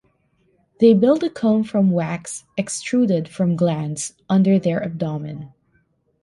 They build the comb from wax extruded from glands under their abdomen.